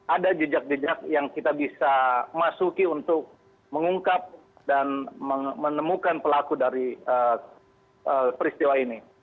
ada jejak jejak yang kita bisa masuki untuk mengungkap dan menemukan pelaku dari peristiwa ini